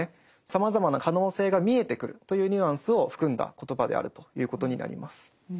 さまざまな可能性が見えてくるというニュアンスを含んだ言葉であるということになります。